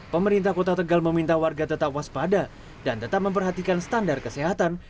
pemerintah kota tegal meminta warga tetap waspada dan tetap memperhatikan standar kesehatan